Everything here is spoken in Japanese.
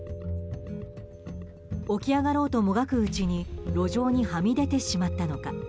起き上がろうと、もがくうちに路上にはみ出てしまったのか。